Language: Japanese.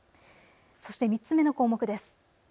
そして３つ目の項目です。